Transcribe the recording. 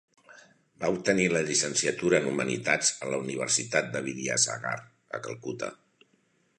Va obtenir la llicenciatura en Humanitats a la Universitat de Vidyasagar, a Calcuta.